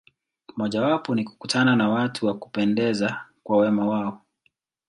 Mojawapo ni kukutana na watu wa kupendeza kwa wema wao.